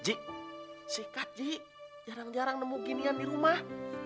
cik sikat ji jarang jarang nemu ginian di rumah